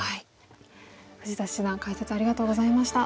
富士田七段解説ありがとうございました。